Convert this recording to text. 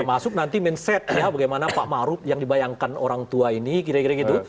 termasuk nanti mindset ya bagaimana pak maruf yang dibayangkan orang tua ini kira kira gitu